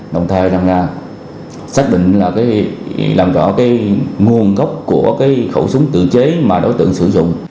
đồng thời xác định là làm rõ nguồn gốc của khẩu súng tự chế mà đối tượng sử dụng